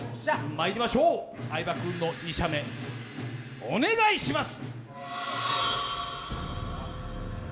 まいりましょう、相葉君の２射目、お願いします。